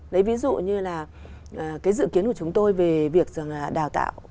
lấy ví dụ như là cái dự kiến của chúng tôi về việc rằng là đào tạo